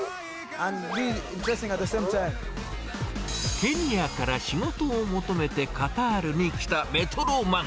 ケニアから仕事を求めてカタールに来たメトロマン。